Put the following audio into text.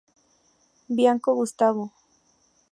Bianco, Gustavo.